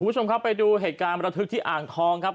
คุณผู้ชมครับไปดูเหตุการณ์ประทึกที่อ่างทองครับ